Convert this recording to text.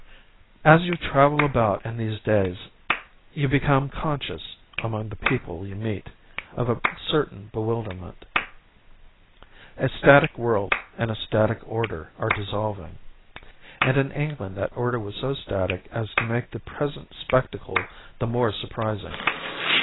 As you travel about in these days you become conscious, among the people you meet, of a certain bewilderment. A static world and a static order are dissolving; and in England that order was so static as to make the present spectacle the more surprising.